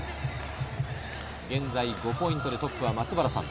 現在、５ポイントでトップは松原さん。